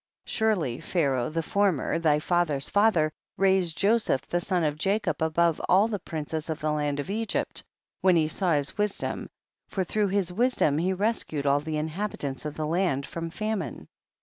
Surely Pharaoh the former, thy father's father, raised Joseph the son of Jacob above all the prin ces of the land of Eg}''pt, when he saw his wisdom, for through his wis dom he rescued all the inhabitants of the land from the famine.